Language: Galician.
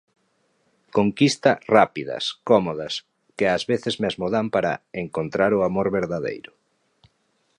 Conquista "rápidas", "cómodas", que ás veces mesmo dan para "encontrar o amor verdadeiro".